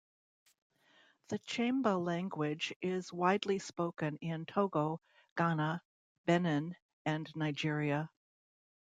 The Tchamba language is widely spoken in Togo, Ghana, Benin, and Nigeria.